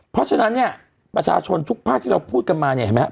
เพราะฉะนั้นเนี่ยประชาชนทุกภาคที่เราพูดกันมาเนี่ยเห็นไหมฮ